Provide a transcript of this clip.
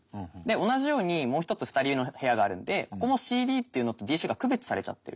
同じようにもう一つ２人の部屋があるんでここもＣＤっていうのとＤＣが区別されちゃってる。